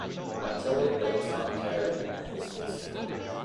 I tell it that it's not tired and it listens.